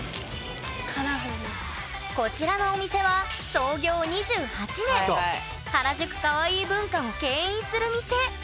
こちらのお店は原宿カワイイ文化をけん引する店。